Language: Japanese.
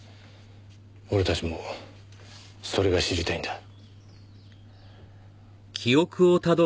俺たちもそれが知りたいんだ。